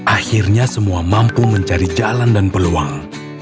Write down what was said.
akhirnya semua mampu mencari jalan dan peluang